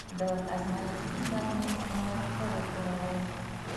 د ازمایښتي نل منځ مواد ښه وښوروئ.